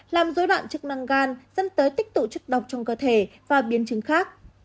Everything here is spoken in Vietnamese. làm dối loạn chức năng gan dẫn tới tích tụ chất độc trong cơ thể và biến chứng khác